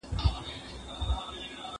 زه کولای سم سبا ته فکر وکړم!؟